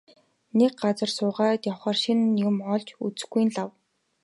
Нэг газар суугаад байхаар шинэ юм олж үзэхгүй нь лав.